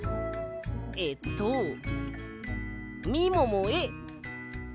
えっと「みももへ」。